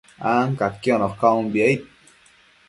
ancaquiono caumbi, aid